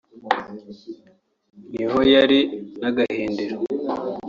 niho yari na Gahindiro